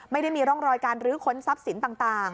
ไม่ได้มีร่องรอยการรื้อค้นทรัพย์สินต่าง